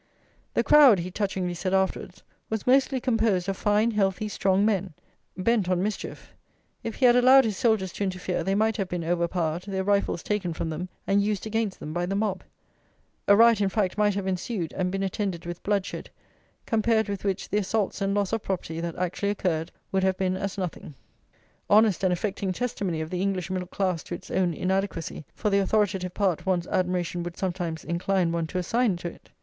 "The crowd," he touchingly said afterwards, "was mostly composed of fine healthy strong men, bent on mischief; if he had allowed his soldiers to interfere they might have been overpowered, their rifles taken from them and used against them by the mob; a riot, in fact, might have ensued, and been attended with bloodshed, compared with which the assaults and loss of property that actually occurred would have been as nothing." Honest and affecting testimony of the English middle class to its own inadequacy for the authoritative part one's admiration would sometimes incline one to assign to it!